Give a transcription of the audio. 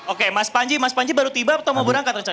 oke mas panji mas panji baru tiba atau mau berangkat rencana